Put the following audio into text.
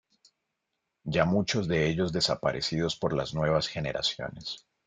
Ya muchos de ellos desaparecidos por las nuevas generaciones.